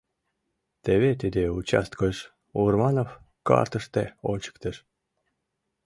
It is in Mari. Теве тиде участкыш, — Урманов картыште ончыктыш.